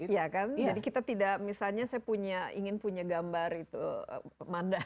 iya kan jadi kita tidak misalnya saya ingin punya gambar itu manda